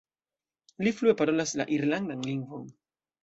Li flue parolas la irlandan lingvon.